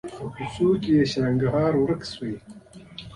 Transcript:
په کوڅو کې یې شرنګا د رباب ورکه